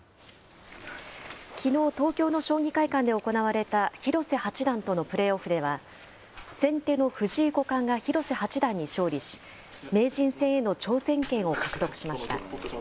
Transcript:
きのう、東京の将棋会館で行われた広瀬八段とのプレーオフでは、先手の藤井五冠が広瀬八段に勝利し、名人戦への挑戦権を獲得しました。